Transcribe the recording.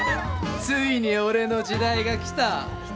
ついに俺の時代が来た。